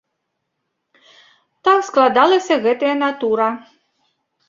Так складалася гэтая натура.